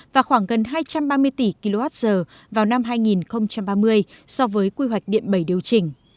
và khoảng gần hai trăm ba mươi tỷ kwh vào năm hai nghìn ba mươi so với quy hoạch điện bảy điều chỉnh